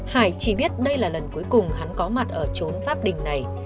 hải chỉ biết đây là lần cuối cùng hắn có mặt ở trốn pháp đình này